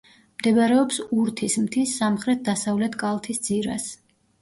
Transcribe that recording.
მდებარეობს ურთის მთის სამხრეთ-დასავლეთ კალთის ძირას.